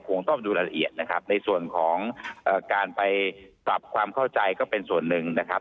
คงต้องดูรายละเอียดนะครับในส่วนของการไปปรับความเข้าใจก็เป็นส่วนหนึ่งนะครับ